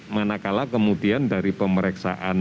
manakala kemudian dari pemeriksaan